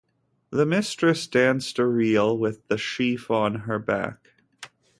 The mistress danced a reel with the sheaf on her back.